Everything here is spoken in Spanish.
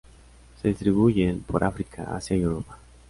Se distribuyen por África, Asia y Europa.